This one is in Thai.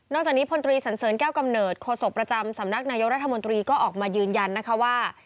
จากนี้พลตรีสันเสริญแก้วกำเนิดโศกประจำสำนักนายกรัฐมนตรีก็ออกมายืนยันนะคะว่า